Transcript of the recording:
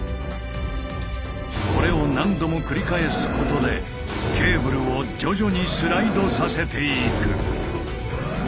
これを何度も繰り返すことでケーブルを徐々にスライドさせていく。